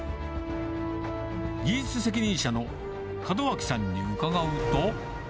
技術責任者の門脇さんに伺うと。